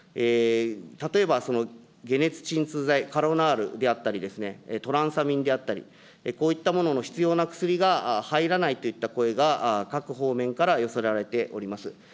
例えば解熱、鎮痛剤、カロナールであったり、トランサミンであったり、こういったものの必要な薬が入らないといった声が、各方面から寄せられております。